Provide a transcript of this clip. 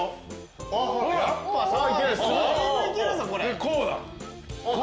でこうだ。